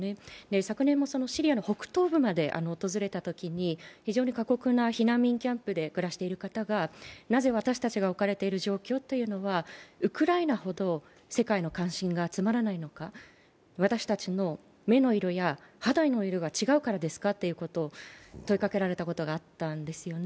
昨年もシリアの北東部まで訪れたときに非常に過酷な避難民キャンプで暮らしている方がなぜ私たちが置かれている状況というのは、ウクライナほど世界の関心が集まらないのか、私たちの目の色や肌の色が違うからですかと問いかけられたことがあったんですよね。